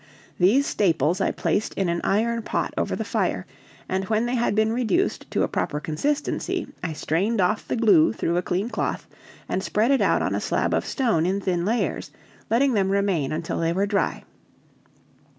These staples I placed in an iron pot over the fire, and when they had been reduced to a proper consistency I strained off the glue through a clean cloth, and spread it out on a slab of stone in thin layers, letting them remain until they were dry.